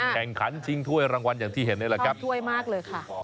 แข่งขันชิงถ้วยรางวัลอย่างที่เห็นนี่แหละครับถ้วยมากเลยค่ะ